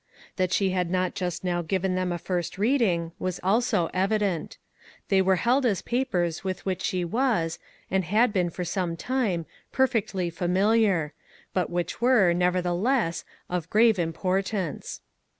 That she had not just now given them a first reading, was also evident; they were held as papers with which she was, and had been for some time, perfectly familiar; but which were, nevertheless, of grave importance.